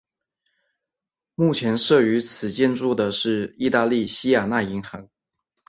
目前设于此建筑的是意大利西雅那银行。